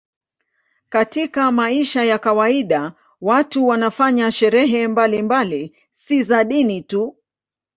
Katika maisha ya kawaida watu wanafanya sherehe mbalimbali, si za dini tu.